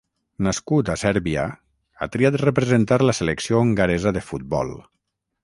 Nascut a Sèrbia, ha triat representar la selecció hongaresa de futbol.